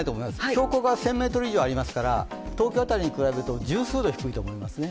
標高が１０００ｍ以上ありますから、東京辺りに比べると十数度低いと思いますね。